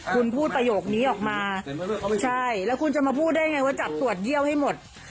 คุณพูดประโยคนี้ออกมาใช่แล้วคุณจะมาพูดได้ไงว่าจับตรวจเยี่ยวให้หมด